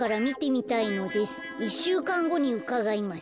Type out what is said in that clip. １しゅうかんごにうかがいます。